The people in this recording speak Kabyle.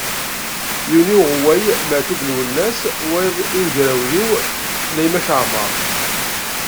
Yiwen i uɣewway Matub Lwennas, wayeḍ i ugrawliw Laymac Aɛmaṛ.